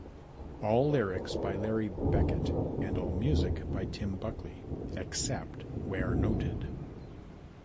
All lyrics by Larry Beckett and all music by Tim Buckley, except where noted.